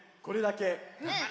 これだけ。